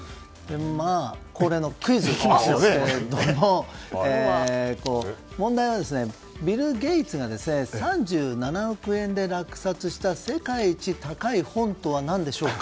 恒例のクイズですけれども問題は、ビル・ゲイツが３７億円で落札した世界一高い本とは何でしょうか。